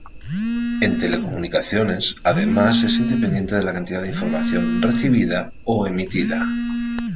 En telecomunicaciones, además es independiente de la cantidad de información recibida o emitida.